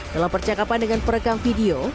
dalam percakapan dengan perekam video